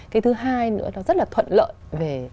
cái thứ hai nữa nó rất là thuận lợi về